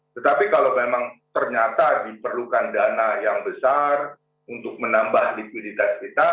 tetapi kalau memang ternyata diperlukan dana yang besar untuk menambah likuiditas kita